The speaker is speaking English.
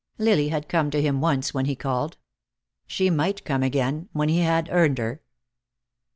Lily had come to him once when he called. She might come again, when he had earned her.